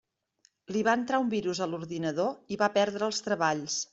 Li va entrar un virus a l'ordinador i va perdre els treballs.